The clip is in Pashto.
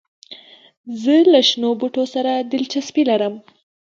زه له شنو بوټو سره دلچسپي لرم.